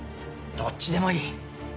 どっちでもいい。